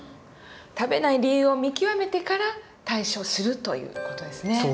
食べない理由を見極めてから対処するという事ですね。